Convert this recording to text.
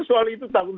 masa soal itu takut